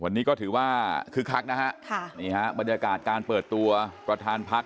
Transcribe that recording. วันนี้ก็ถือว่าคือคักนะฮะบรรยากาศการเปิดตัวประธานพักษ์